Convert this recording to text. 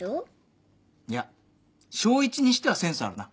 いや小１にしてはセンスあるな。